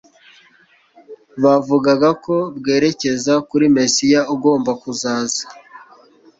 bavugaga ko bwerekeza kuri Mesiya ugomba kuzaza.